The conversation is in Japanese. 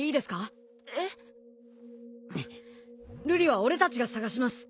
瑠璃は俺たちが捜します。